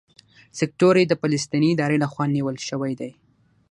سیکټور اې د فلسطیني ادارې لخوا نیول شوی دی.